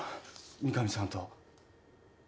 三神さんと。